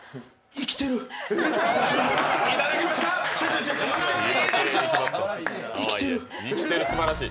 生きてる、すばらしい。